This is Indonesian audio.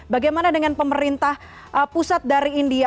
bagaimana dengan pemerintah pusat dari india